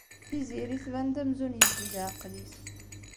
Tiziri tban-d amzun yezzi leɛqel-is.